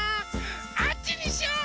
あっちにしよう！